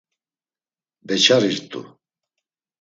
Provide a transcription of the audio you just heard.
Beçarirt̆u.